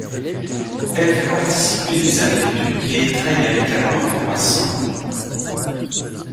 Elle fait participer des individus qui étreignent amicalement des passants.